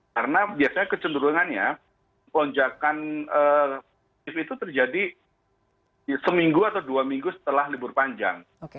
karena biasanya kecenderungannya ponjakan itu terjadi di seminggu atau dua minggu setelah libur panjang